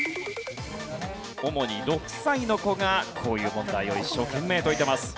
主に６歳の子がこういう問題を一生懸命解いてます。